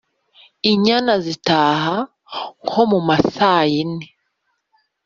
Inyana zitaha (nko mu masaa yine)